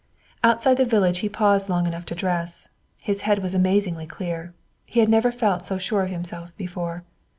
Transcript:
Outside the village he paused long enough to dress. His head was amazingly clear. He had never felt so sure of himself before.